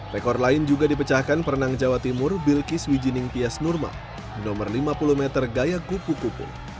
rekor lain juga dipecahkan perenang jawa timur bilkis wijining pias nurma nomor lima puluh meter gaya kupu kupu